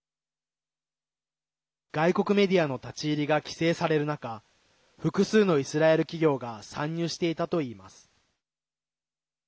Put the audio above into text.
外国メディアの立ち入りが規制される中複数のイスラエル企業が参入していたといいます。